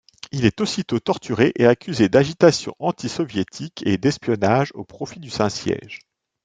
Il est aussitôt torturé et accusé d'agitation anti-soviétique et d'espionnage au profit du Saint-Siège.